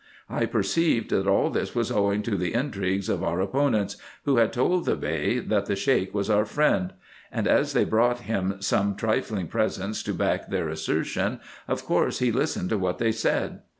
I perceived that all this was owing to the intrigues of our opponents, who had told the Bey, that the Sheik was our friend ; and as they brought him some trifling presents to back their assertion, of course he listened to what they said.